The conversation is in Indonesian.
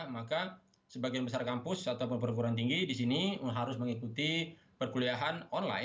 maka sebagian besar kampus atau perguruan tinggi di sini harus mengikuti perkuliahan online hingga bulan desember